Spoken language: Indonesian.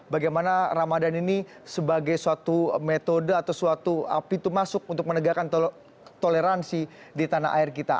bagaimana ramadhan ini sebagai suatu metode atau suatu pintu masuk untuk menegakkan toleransi di tanah air kita